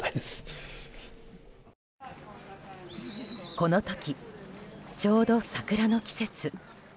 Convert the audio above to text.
この時、ちょうど桜の季節。